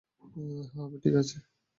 হ্যাঁঁ, আমি ঠিক আছি।